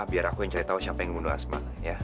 biar aku yang cari tau siapa yang bunuh asma